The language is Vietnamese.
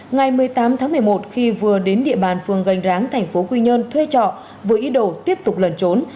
ngày một mươi tám tháng một mươi một khi vừa đến địa bàn phường gành ráng thành phố quy nhơn thuê trọ với ý đồ tiếp tục lần trốn